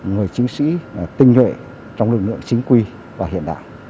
người chính sĩ tinh lệ trong lực lượng chính quy và hiện đại